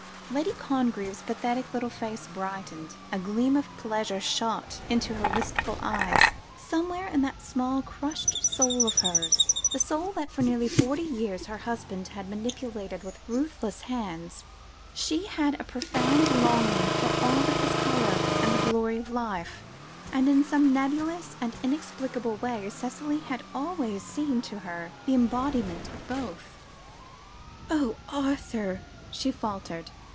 Lady Congreve's pathetic little face brightened, a gleam of pleasure shot into her wistful eyes. Somewhere in that small, crushed soul of hers the soul that for nearly forty years her husband had manipulated with ruthless hands she had a profound longing for all the colour and glory of life, and in some nebulous and inexplicable way, Cicely had always seemed to her the embodiment of both. "Oh, Arthur!" she faltered.